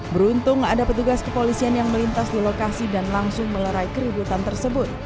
beruntung ada petugas kepolisian yang melintas di lokasi dan langsung melerai keributan tersebut